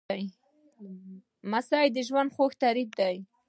لمسی د ژوند خوږ تعبیر دی.